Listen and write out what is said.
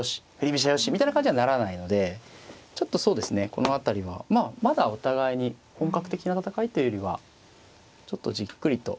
飛車よしみたいな感じにはならないのでちょっとそうですねこの辺りはまだお互いに本格的な戦いというよりはちょっとじっくりと。